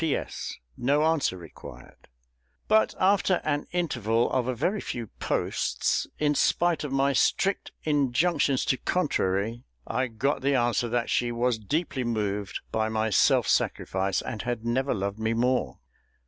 P.S. No answer required. But after an interval of a very few posts, in spite of my strict injunctions to contrary, I got the answer that she was deeply moved by my self sacrifice, and had never loved me more.